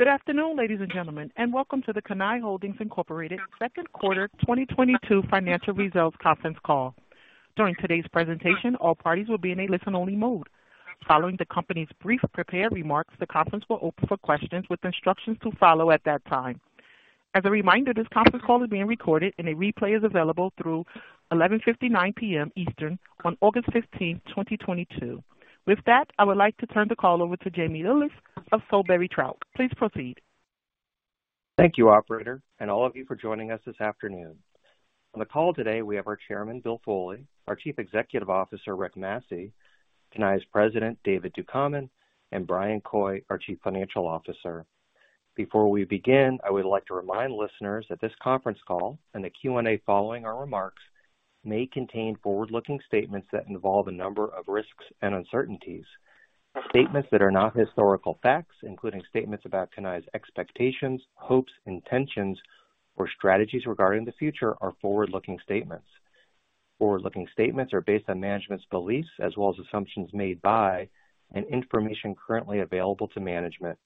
Good afternoon, ladies and gentlemen, and welcome to the Cannae Holdings, Inc. second quarter 2022 financial results conference call. During today's presentation, all parties will be in a listen-only mode. Following the company's brief prepared remarks, the conference will open for questions with instructions to follow at that time. As a reminder, this conference call is being recorded and a replay is available through 11:59 P.M. Eastern on August 15th, 2022. With that, I would like to turn the call over to Jamie Lillis of Solebury Trout. Please proceed. Thank you, operator, and all of you for joining us this afternoon. On the call today, we have our chairman, Bill Foley, our Chief Executive Officer, Rick Massey, Cannae's president, David Ducommun, and Bryan Coy, our Chief Financial Officer. Before we begin, I would like to remind listeners that this conference call and the Q&A following our remarks may contain forward-looking statements that involve a number of risks and uncertainties. Statements that are not historical facts, including statements about Cannae's expectations, hopes, intentions, or strategies regarding the future are forward-looking statements. Forward-looking statements are based on management's beliefs as well as assumptions made by and information currently available to management.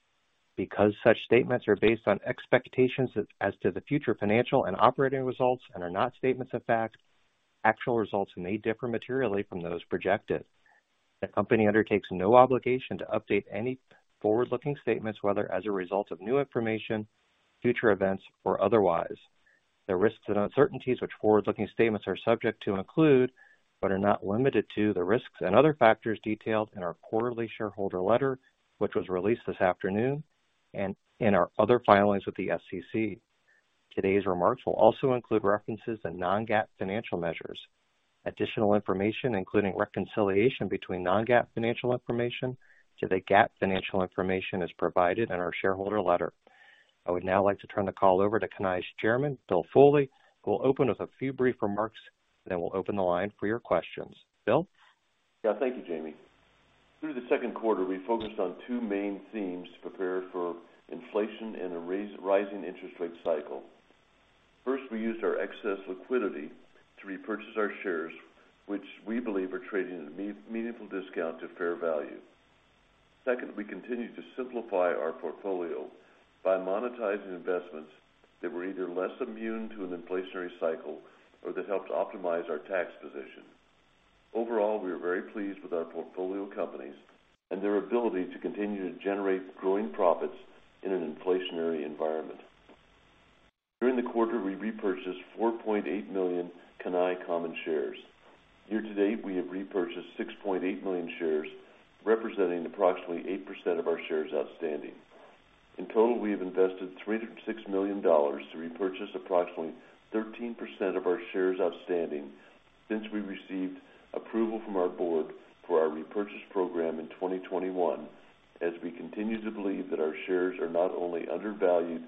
Because such statements are based on expectations as to the future financial and operating results and are not statements of fact, actual results may differ materially from those projected. The company undertakes no obligation to update any forward-looking statements, whether as a result of new information, future events, or otherwise. The risks and uncertainties which forward-looking statements are subject to include, but are not limited to, the risks and other factors detailed in our quarterly shareholder letter, which was released this afternoon, and in our other filings with the SEC. Today's remarks will also include references to non-GAAP financial measures. Additional information, including reconciliation between non-GAAP financial information to the GAAP financial information, is provided in our shareholder letter. I would now like to turn the call over to Cannae's Chairman, Bill Foley, who will open with a few brief remarks, and then we'll open the line for your questions. Bill? Yeah. Thank you, Jamie. Through the second quarter, we focused on two main themes to prepare for inflation and a rising interest rate cycle. First, we used our excess liquidity to repurchase our shares, which we believe are trading at a meaningful discount to fair value. Second, we continued to simplify our portfolio by monetizing investments that were either less immune to an inflationary cycle or that helped optimize our tax position. Overall, we are very pleased with our portfolio companies and their ability to continue to generate growing profits in an inflationary environment. During the quarter, we repurchased 4.8 million Cannae common shares. Year to date, we have repurchased 6.8 million shares, representing approximately 8% of our shares outstanding. In total, we have invested $306 million to repurchase approximately 13% of our shares outstanding since we received approval from our board for our repurchase program in 2021, as we continue to believe that our shares are not only undervalued,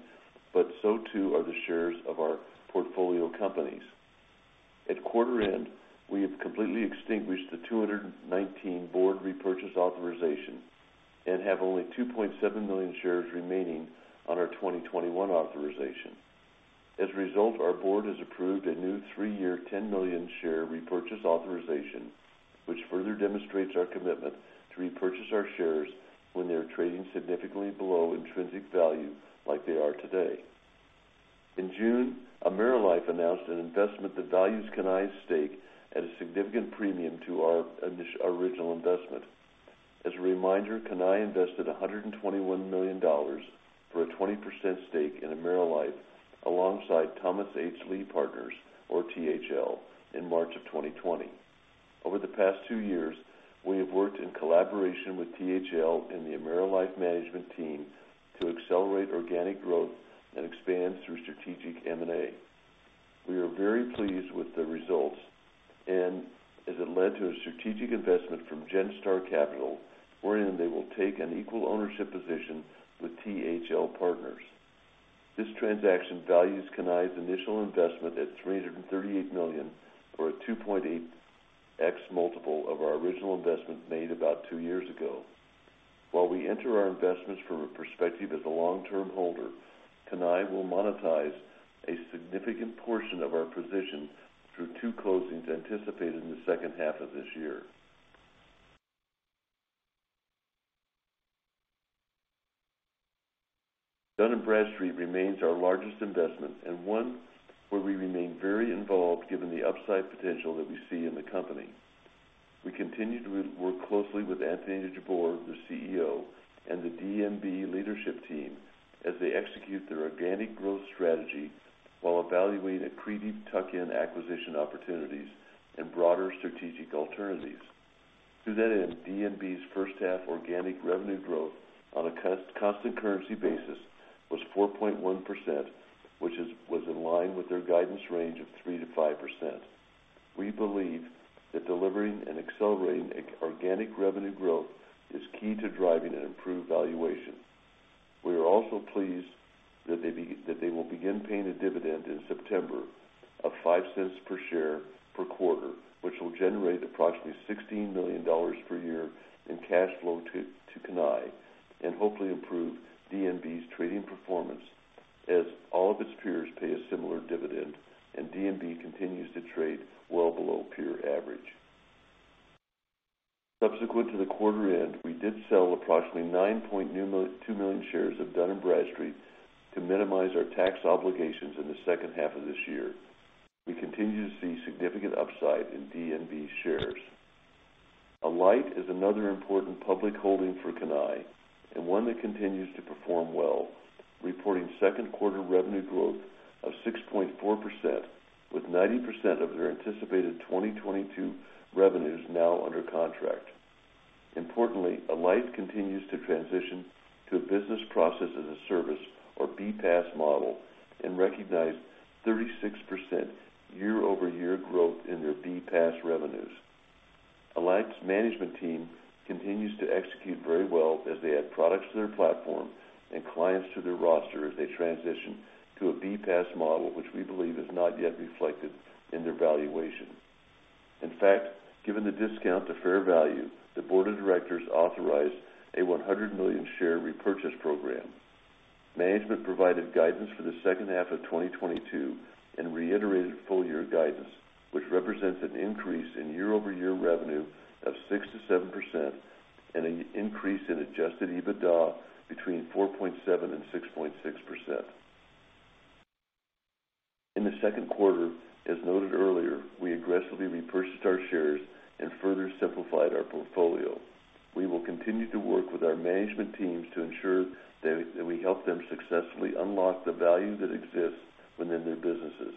but so too are the shares of our portfolio companies. At quarter end, we have completely extinguished the $219 million board repurchase authorization and have only 2.7 million shares remaining on our 2021 authorization. As a result, our board has approved a new three-year, 10 million share repurchase authorization, which further demonstrates our commitment to repurchase our shares when they are trading significantly below intrinsic value like they are today. In June, AmeriLife announced an investment that values Cannae's stake at a significant premium to our original investment. As a reminder, Cannae invested $121 million for a 20% stake in AmeriLife alongside Thomas H. Lee Partners, or THL, in March 2020. Over the past two years, we have worked in collaboration with THL and the AmeriLife management team to accelerate organic growth and expand through strategic M&A. We are very pleased with the results, and it led to a strategic investment from Genstar Capital, wherein they will take an equal ownership position with THL Partners. This transaction values Cannae's initial investment at $338 million or a 2.8x multiple of our original investment made about two years ago. While we enter our investments from a perspective as a long-term holder, Cannae will monetize a significant portion of our position through two closings anticipated in the second half of this year. Dun & Bradstreet remains our largest investment and one where we remain very involved given the upside potential that we see in the company. We continue to work closely with Anthony Jabbour, the CEO, and the DNB leadership team as they execute their organic growth strategy while evaluating accretive tuck-in acquisition opportunities and broader strategic alternatives. To that end, DNB's first half organic revenue growth on a constant currency basis was 4.1%, which is in line with their guidance range of 3%-5%. We believe that delivering and accelerating organic revenue growth is key to driving an improved valuation. We are also pleased that they will begin paying a dividend in September of $0.05 per share per quarter, which will generate approximately $16 million per year in cash flow to Cannae and hopefully improve DNB's trading performance as all of its peers pay a similar dividend and DNB continues to trade well below peer average. Subsequent to the quarter end, we did sell approximately 9.2 million shares of Dun & Bradstreet to minimize our tax obligations in the second half of this year. We continue to see significant upside in D&B shares. Alight is another important public holding for Cannae and one that continues to perform well, reporting second quarter revenue growth of 6.4% with 90% of their anticipated 2022 revenues now under contract. Importantly, Alight continues to transition to a business process as a service or BPaaS model and recognized 36% YoY growth in their BPaaS revenues. Alight's management team continues to execute very well as they add products to their platform and clients to their roster as they transition to a BPaaS model, which we believe is not yet reflected in their valuation. In fact, given the discount to fair value, the board of directors authorized a $100 million share repurchase program. Management provided guidance for the second half of 2022 and reiterated full year guidance, which represents an increase in YoY revenue of 6%-7% and an increase in adjusted EBITDA between 4.7% and 6.6%. In the second quarter, as noted earlier, we aggressively repurchased our shares and further simplified our portfolio. We will continue to work with our management teams to ensure that we help them successfully unlock the value that exists within their businesses.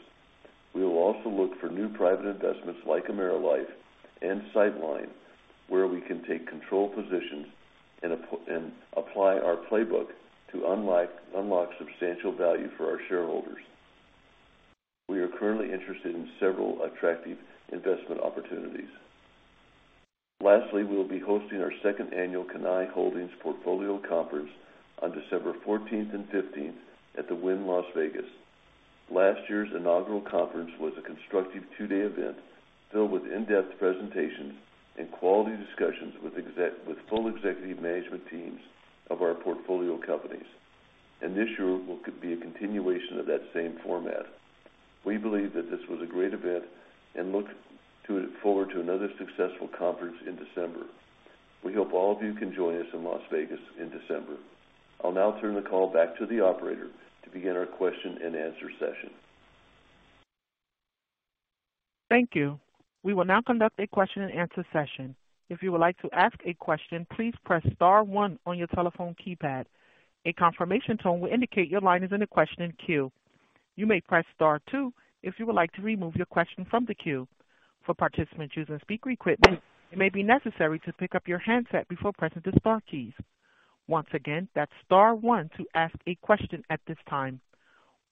We will also look for new private investments like AmeriLife and Sightline, where we can take control positions and apply our playbook to unlock substantial value for our shareholders. We are currently interested in several attractive investment opportunities. Lastly, we'll be hosting our second annual Cannae Holdings Portfolio Conference on December 14th and fifteenth at the Wynn Las Vegas. Last year's inaugural conference was a constructive two-day event filled with in-depth presentations and quality discussions with full executive management teams of our portfolio companies. This year will be a continuation of that same format. We believe that this was a great event and look forward to another successful conference in December. We hope all of you can join us in Las Vegas in December. I'll now turn the call back to the operator to begin our question-and-answer session. Thank you. We will now conduct a question-and-answer session. If you would like to ask a question, please press star one on your telephone keypad. A confirmation tone will indicate your line is in a question queue. You may press star two if you would like to remove your question from the queue. For participants using speaker equipment, it may be necessary to pick up your handset before pressing the star keys. Once again, that's star one to ask a question at this time.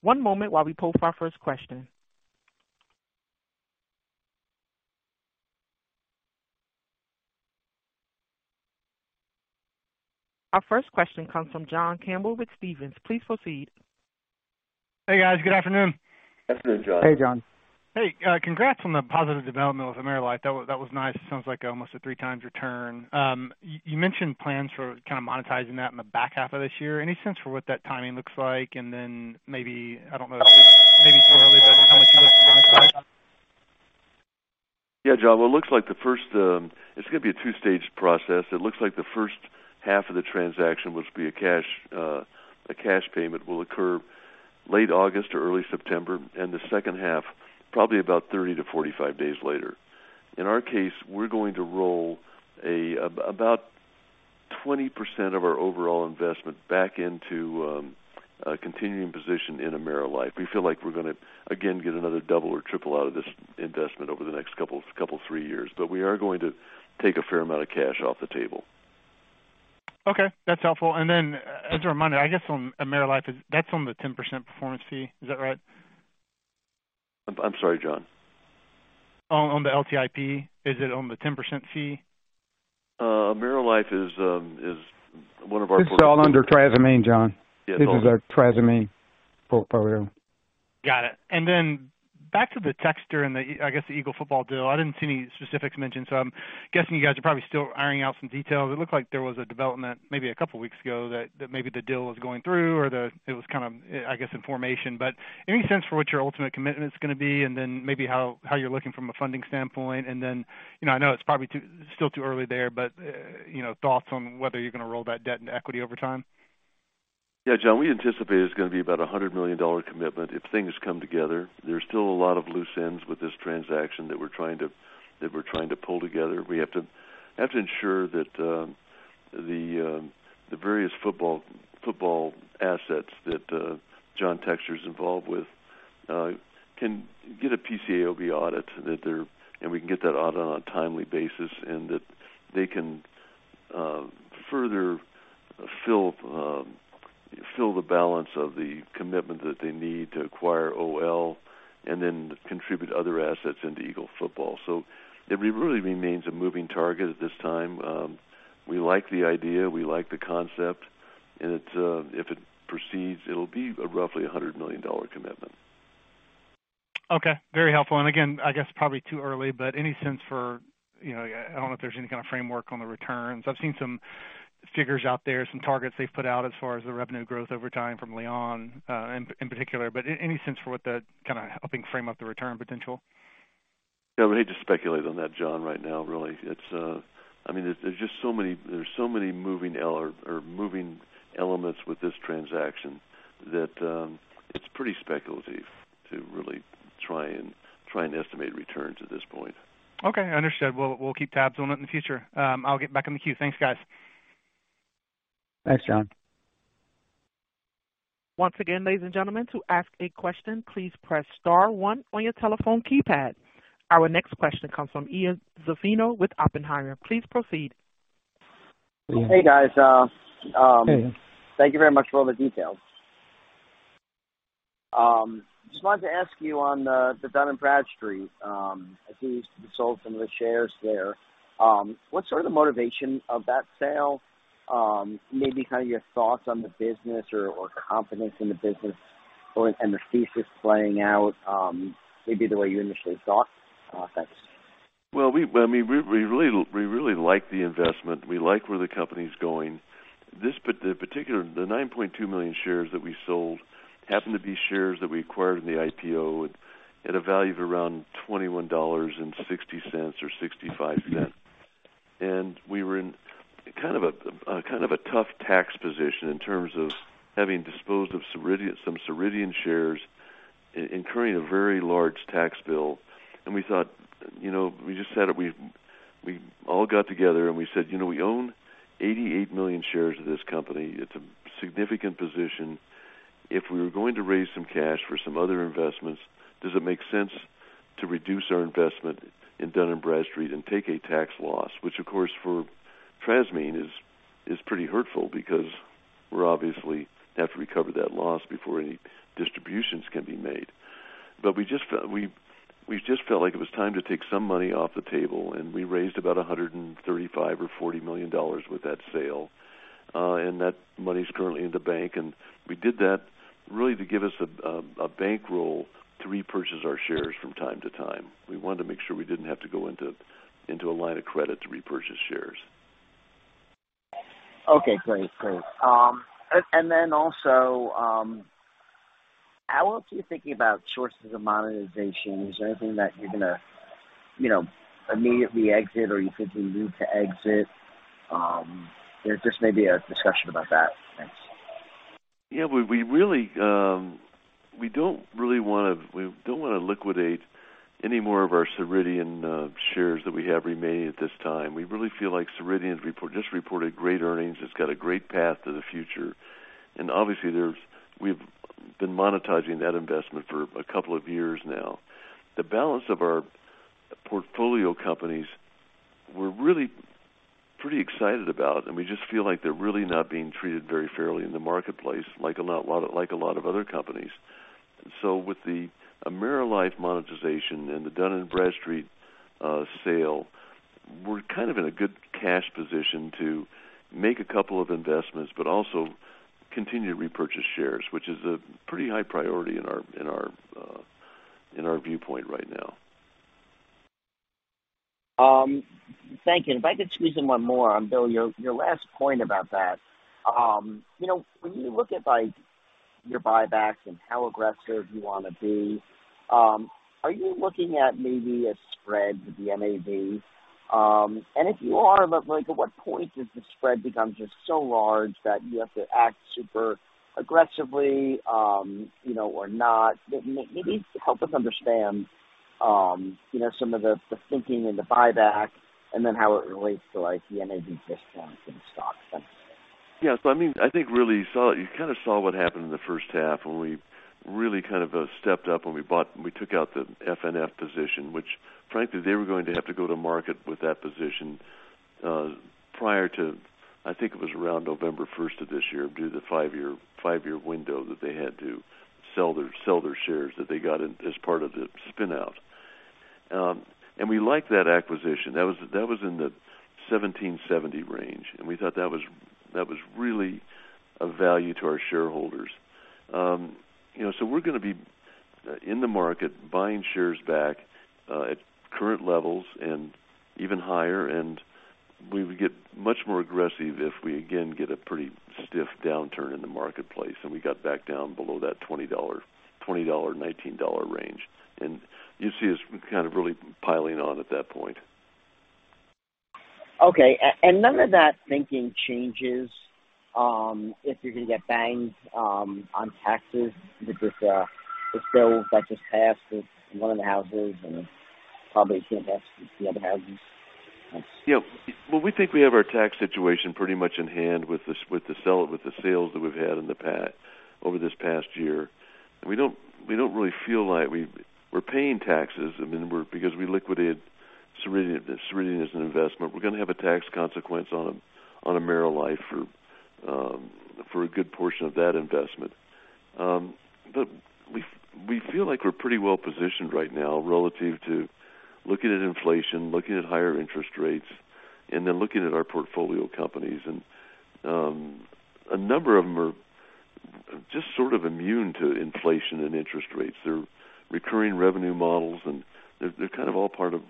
One moment while we pull up our first question. Our first question comes from John Campbell with Stephens. Please proceed. Hey, guys. Good afternoon. Afternoon, John. Hey, John. Hey, congrats on the positive development with AmeriLife. That was nice. It sounds like almost a 3x return. You mentioned plans for kind of monetizing that in the back half of this year. Any sense for what that timing looks like? Then maybe, I don't know if it's maybe too early, but how much you guys have monetized? Yeah, John. Well, it's gonna be a two-stage process. It looks like the first half of the transaction, which will be a cash payment, will occur late August or early September, and the second half probably about 30-45 days later. In our case, we're going to roll about 20% of our overall investment back into a continuing position in AmeriLife. We feel like we're gonna, again, get another double or triple out of this investment over the next couple three years. We are going to take a fair amount of cash off the table. Okay, that's helpful. As a reminder, I guess on AmeriLife, is that on the 10% performance fee. Is that right? I'm sorry, John. On the LTIP, is it on the 10% fee? AmeriLife is one of our. It's all under Trasimene, John. Yeah. This is our Trasimene portfolio. Got it. Then back to the Textor and the, I guess, the Eagle Football deal. I didn't see any specifics mentioned, so I'm guessing you guys are probably still ironing out some details. It looked like there was a development maybe a couple weeks ago that maybe the deal was going through or it was kind of, I guess, in formation. Any sense for what your ultimate commitment is gonna be and then maybe how you're looking from a funding standpoint? Then, you know, I know it's probably still too early there, but, you know, thoughts on whether you're gonna roll that debt into equity over time. Yeah, John, we anticipate it's gonna be about $100 million commitment if things come together. There's still a lot of loose ends with this transaction that we're trying to pull together. We have to ensure that the various football assets that John Textor is involved with can get a PCAOB audit and we can get that audit on a timely basis, and that they can further fill the balance of the commitment that they need to acquire OL and then contribute other assets into Eagle Football. It really remains a moving target at this time. We like the idea, we like the concept, and if it proceeds, it'll be roughly $100 million commitment. Okay, very helpful. Again, I guess probably too early, but any sense for, you know, I don't know if there's any kind of framework on the returns. I've seen some figures out there, some targets they've put out as far as the revenue growth over time from Lyon in particular, but any sense for what that kind of helping frame up the return potential? Yeah. We hate to speculate on that, John, right now, really. It's I mean, there's just so many moving elements with this transaction that it's pretty speculative to really try and estimate returns at this point. Okay. Understood. We'll keep tabs on it in the future. I'll get back in the queue. Thanks, guys. Thanks, John. Once again, ladies and gentlemen, to ask a question, please press star one on your telephone keypad. Our next question comes from Ian Zaffino with Oppenheimer. Please proceed. Ian. Hey, guys. Hey. Thank you very much for all the details. Just wanted to ask you on the Dun & Bradstreet. I see you sold some of the shares there. What's sort of the motivation of that sale? Maybe kind of your thoughts on the business or confidence in the business or and the thesis playing out, maybe the way you initially thought? Thanks. Well, I mean, we really like the investment. We like where the company's going. The 9.2 million shares that we sold happened to be shares that we acquired in the IPO at a value of around $21.60 or $21.65. We were in kind of a tough tax position in terms of having disposed of Ceridian, some Ceridian shares, incurring a very large tax bill. We thought, you know, we all got together, and we said, "You know, we own 88 million shares of this company. It's a significant position. If we were going to raise some cash for some other investments, does it make sense to reduce our investment in Dun & Bradstreet and take a tax loss?" Which, of course, for TransDigm is pretty hurtful because we're obviously have to recover that loss before any distributions can be made. We just felt like it was time to take some money off the table, and we raised about $135-$140 million with that sale. And that money's currently in the bank, and we did that really to give us a bankroll to repurchase our shares from time to time. We wanted to make sure we didn't have to go into a line of credit to repurchase shares. Okay. Great. And then also, how else are you thinking about sources of monetization? Is there anything that you're gonna, you know, immediately exit or you could remove to exit? If there's maybe a discussion about that. Thanks. Yeah. We really don't wanna liquidate any more of our Ceridian shares that we have remaining at this time. We really feel like Ceridian just reported great earnings. It's got a great path to the future. Obviously, we've been monetizing that investment for a couple of years now. The balance of our portfolio companies, we're really pretty excited about, and we just feel like they're really not being treated very fairly in the marketplace, like a lot of other companies. With the AmeriLife monetization and the Dun & Bradstreet sale, we're kind of in a good cash position to make a couple of investments but also continue to repurchase shares, which is a pretty high priority in our viewpoint right now. Thank you. If I could squeeze in one more on, Bill, your last point about that. You know, when you look at, like, your buybacks and how aggressive you wanna be, are you looking at maybe a spread with the NAV? If you are, like, at what point does the spread become just so large that you have to act super aggressively, you know, or not? Maybe help us understand, you know, some of the thinking in the buyback and then how it relates to, like, the NAV discount and stock. Thanks. Yeah. I mean, I think really you kinda saw what happened in the first half when we really kind of stepped up when we took out the FNF position, which frankly, they were going to have to go to market with that position prior to, I think it was around November 1st of this year, due to the five-year window that they had to sell their shares that they got in as part of the spin-out. We like that acquisition. That was in the $17.70 range, and we thought that was really a value to our shareholders. You know, so we're gonna be in the market buying shares back at current levels and even higher, and we would get much more aggressive if we again get a pretty stiff downturn in the marketplace, and we got back down below that $20-$19 range. You see us kind of really piling on at that point. Okay. None of that thinking changes if you're gonna get banged on taxes with this bill that just passed with one of the houses and probably get passed with the other houses? Thanks. Yeah. Well, we think we have our tax situation pretty much in hand with the sales that we've had over this past year. We don't really feel like we're paying taxes. I mean, because we liquidated Ceridian as an investment. We're gonna have a tax consequence on AmeriLife for a good portion of that investment. We feel like we're pretty well positioned right now relative to looking at inflation, looking at higher interest rates, and then looking at our portfolio companies. A number of them are just sort of immune to inflation and interest rates. They're recurring revenue models, and they're kind of all part of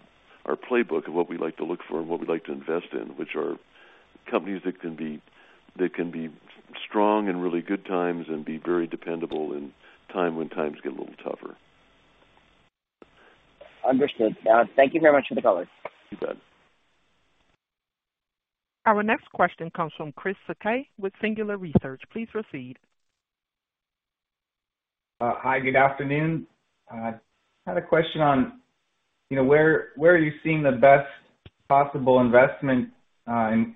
our playbook of what we like to look for and what we like to invest in, which are companies that can be strong in really good times and be very dependable in time when times get a little tougher. Understood. Thank you very much for the color. You bet. Our next question comes from Chris Sica with Singular Research. Please proceed. Hi, good afternoon. I had a question on, you know, where are you seeing the best possible investment in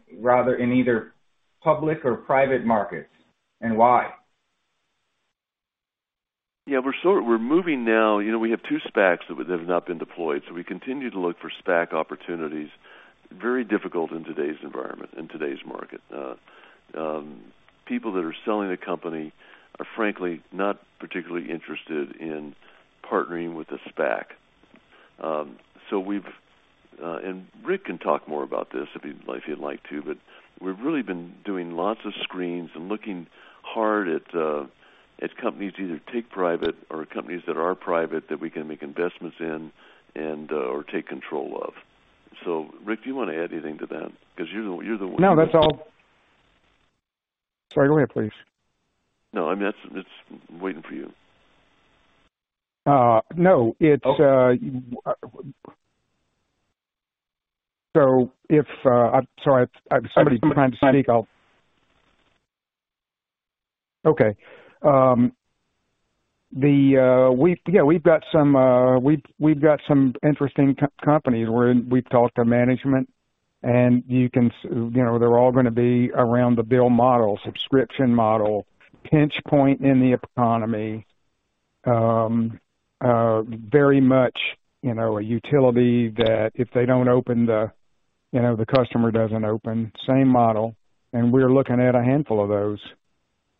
either public or private markets and why? Yeah, we're moving now. You know, we have two SPACs that have not been deployed, so we continue to look for SPAC opportunities. Very difficult in today's environment, in today's market. People that are selling the company are frankly not particularly interested in partnering with a SPAC. We've, and Rick can talk more about this if he'd like to, but we've really been doing lots of screens and looking hard at companies to either take private or companies that are private that we can make investments in, or take control of. Rick, do you wanna add anything to that? 'Cause you're the one- No, that's all. Sorry, go ahead, please. No, I mean, that's. It's waiting for you. No. It's Okay. We've got some interesting companies where we've talked to management and you can see. You know, they're all gonna be around the Bill model, subscription model, pain point in the economy, very much, you know, a utility that if they don't open the, you know, the customer doesn't open. Same model. We are looking at a handful of those,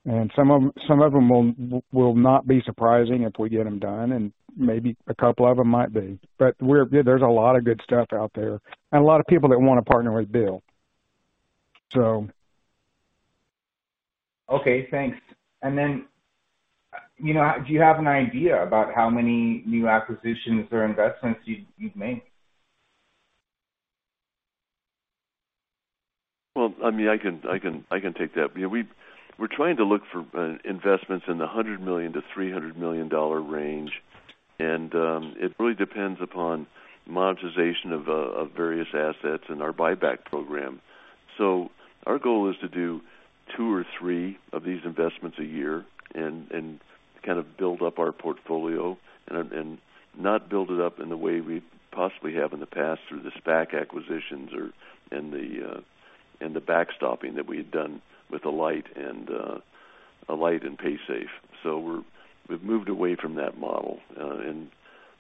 and some of them will not be surprising if we get them done, and maybe a couple of them might be. There's a lot of good stuff out there and a lot of people that wanna partner with Bill. Okay, thanks. You know, do you have an idea about how many new acquisitions or investments you've made? Well, I mean, I can take that. You know, we're trying to look for investments in the $100 million-$300 million range. It really depends upon monetization of various assets and our buyback program. Our goal is to do two or three of these investments a year and kind of build up our portfolio and not build it up in the way we possibly have in the past through the SPAC acquisitions or the backstopping that we had done with Alight and Paysafe. We've moved away from that model, and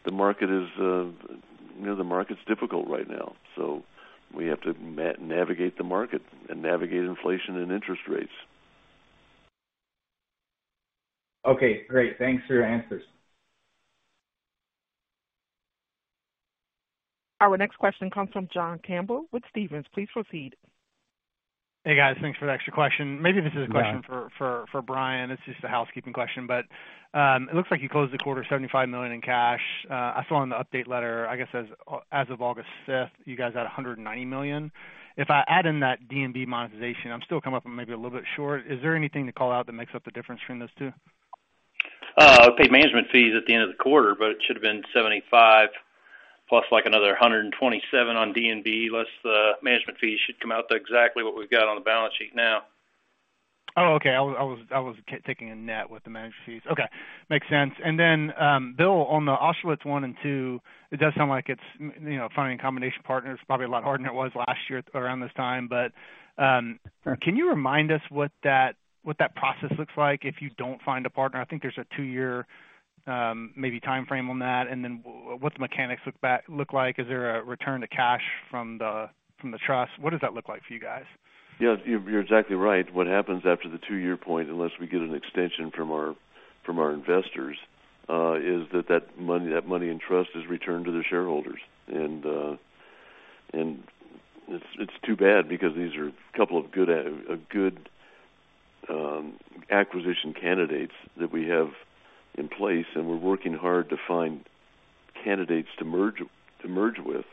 the market is, you know, the market's difficult right now, so we have to navigate the market and navigate inflation and interest rates. Okay, great. Thanks for your answers. Our next question comes from John Campbell with Stephens. Please proceed. Hey, guys. Thanks for the extra question. You bet. Maybe this is a question for Bryan. It's just a housekeeping question, but it looks like you closed the quarter $75 million in cash. I saw in the update letter, I guess as of August 5th, you guys had $190 million. If I add in that D&B monetization, I'm still coming up maybe a little bit short. Is there anything to call out that makes up the difference between those two? Paid management fees at the end of the quarter, but it should have been $75 plus, like, another $127 on D&B, less the management fee. It should come out to exactly what we've got on the balance sheet now. Oh, okay. I was taking a net with the management fees. Okay. Makes sense. Bill, on the Austerlitz one and two, it does sound like it's, you know, finding a combination partner is probably a lot harder than it was last year around this time. Sure. Can you remind us what that process looks like if you don't find a partner? I think there's a 2-year, maybe timeframe on that. What the mechanics look like. Is there a return to cash from the trust? What does that look like for you guys? Yes, you're exactly right. What happens after the two-year point, unless we get an extension from our investors, is that that money in trust is returned to the shareholders. It's too bad because these are a couple of good acquisition candidates that we have in place, and we're working hard to find candidates to merge with.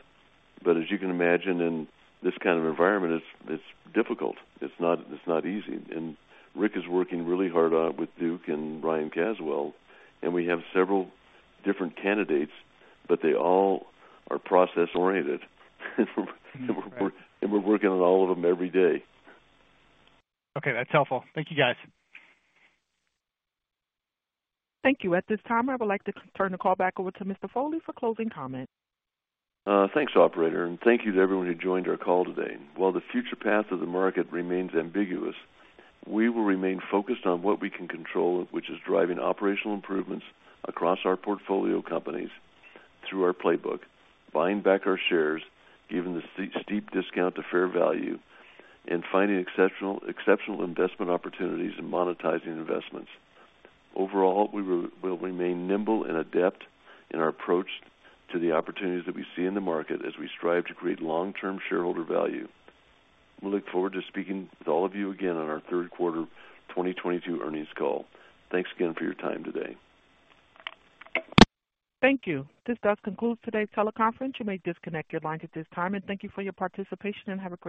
As you can imagine, in this kind of environment, it's difficult. It's not easy. Rick is working really hard on it with Duke and Ryan Caswell, and we have several different candidates, but they all are process-oriented. We're working on all of them every day. Okay. That's helpful. Thank you, guys. Thank you. At this time, I would like to turn the call back over to Mr. Foley for closing comments. Thanks, operator, and thank you to everyone who joined our call today. While the future path of the market remains ambiguous, we will remain focused on what we can control, which is driving operational improvements across our portfolio companies through our playbook, buying back our shares, given the steep discount to fair value, and finding exceptional investment opportunities and monetizing investments. Overall, we'll remain nimble and adept in our approach to the opportunities that we see in the market as we strive to create long-term shareholder value. We look forward to speaking with all of you again on our third quarter 2022 earnings call. Thanks again for your time today. Thank you. This does conclude today's teleconference. You may disconnect your lines at this time. Thank you for your participation and have a great day.